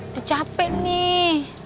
dia capek nih